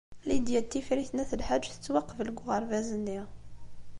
Lidya n Tifrit n At Lḥaǧ tettwaqbel deg uɣerbaz-nni.